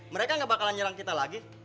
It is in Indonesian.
mereka gak bakalan nyerang kita lagi